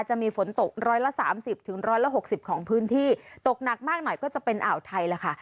จะมีฝนตกร้อยละสามสิบถึงร้อยละหกสิบของพื้นที่ตกหนักมากหน่อยก็จะเป็นอ่าวไทยแหละค่ะ